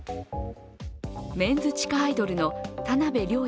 メンズ地下アイドルの田辺稜弥